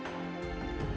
dia juga menangis